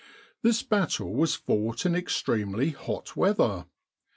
This battle was fought in extremely hot weather.